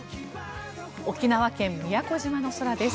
沖縄県・宮古島の空です。